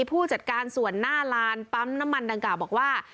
ผู้จัดการส่วนหน้าลานปั๊มน้ำมันดังกล่าวบอกว่า